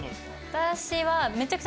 私は。